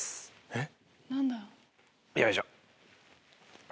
えっ⁉